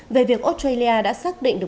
về việc australia đã xác định được